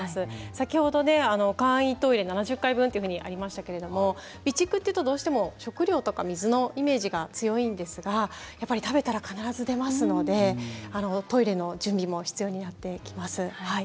先ほど、簡易トイレ７０回分とありましたが、備蓄っていうとどうしても食料とか水のイメージが強いんですが食べたら必ず出ますのでトイレの準備も必要になってきます。